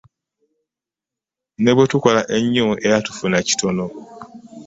Ne bwe tukola ennyo era tufuna kitono.